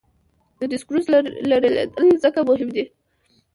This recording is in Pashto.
د ډسکورس لرلید ځکه مهم دی.